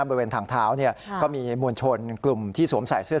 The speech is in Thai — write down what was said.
บริเวณทางเท้าก็มีมวลชนกลุ่มที่สวมใส่เสื้อ